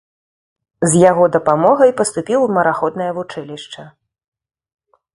З яго дапамогай паступіў у мараходнае вучылішча.